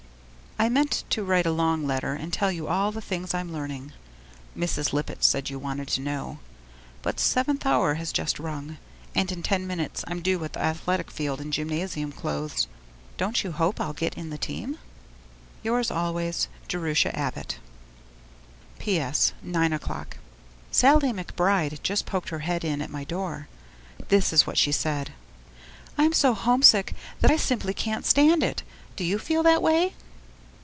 I meant to write a long letter and tell you all the things I'm learning (Mrs. Lippett said you wanted to know), but 7th hour has just rung, and in ten minutes I'm due at the athletic field in gymnasium clothes. Don't you hope I'll get in the team? Yours always, Jerusha Abbott PS. (9 o'clock.) Sallie McBride just poked her head in at my door. This is what she said: 'I'm so homesick that I simply can't stand it. Do you feel that way?'